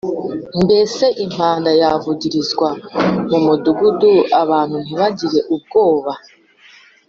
Mbese impanda yavugirizwa mu mudugudu abantu ntibagire ubwoba?